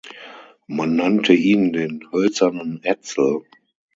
Man nannte ihn den "hölzernen Etzel".